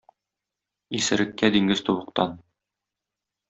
Исереккә диңгез тубыктан.